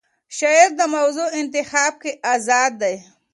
شاعر د موضوع انتخاب کې آزاد دی.